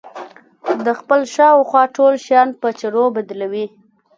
د خپل خواوشا ټول شيان په چرو بدلوي.